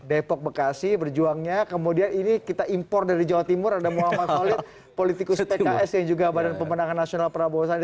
depok bekasi berjuangnya kemudian ini kita impor dari jawa timur ada muhammad khalid politikus pks yang juga badan pemenangan nasional prabowo sandi